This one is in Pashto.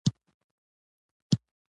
د سړي لکه چې هلته وار نه و رسېدلی.